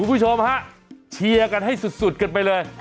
คุณผู้ชมฮะเชียร์กันให้สุดกันไปเลย